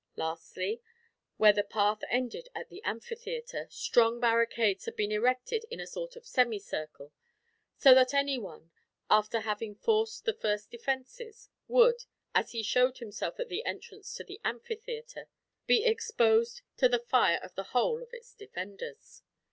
Lastly, where the path ended at the amphitheater, strong barricades had been erected in a sort of semicircle; so that anyone, after having forced the first defenses, would, as he showed himself at the entrance to the amphitheater, be exposed to the fire of the whole of its defenders.